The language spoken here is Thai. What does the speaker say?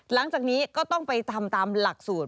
หลังจากนี้ก็ต้องไปทำตามหลักสูตร